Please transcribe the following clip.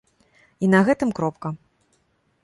І на гэтым кропка!